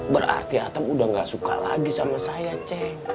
berarti atem udah nggak suka lagi sama saya ceng